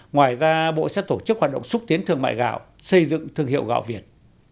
ngoài ra bộ sẽ tổ chức hoạt động xúc tiến thương mại gạo xây dựng thương hiệu gạo việt